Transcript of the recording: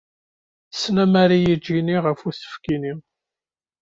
Tesnemmer-iyi Jenny ɣef usefk-nni.